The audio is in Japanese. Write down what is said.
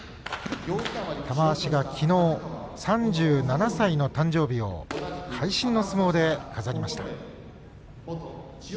玉鷲はきのう３７歳の誕生日を会心の相撲で飾りました。